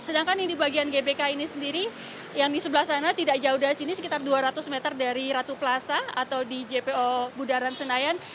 sedangkan yang di bagian gbk ini sendiri yang di sebelah sana tidak jauh dari sini sekitar dua ratus meter dari ratu plaza atau di jpo budaran senayan